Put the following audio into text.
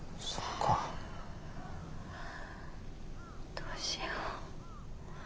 どうしよう。